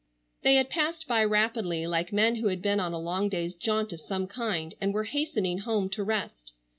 They had passed by rapidly, like men who had been on a long day's jaunt of some kind and were hastening home to rest.